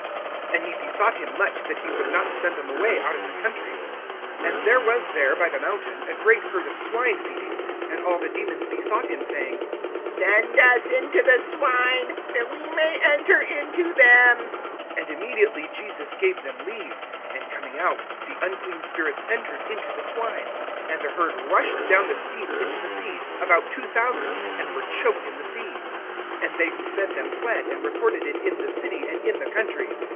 (10)And he besought him much that he would not send them away out of the country. (11)And there was there, by the mountain, a great herd of swine feeding. (12)And all the demons besought him, saying: Send us into the swine, that we may enter into them. (13)And immediately Jesus gave them leave. And coming out, the unclean spirits entered into the swine. And the herd rushed down the steep into the sea, about two thousand, and were choked in the sea. (14)And they who fed them fled, and reported it in the city and in the country.